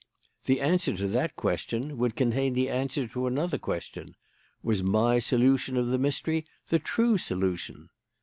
"The answer to that question would contain the answer to another question: Was my solution of the mystery the true solution?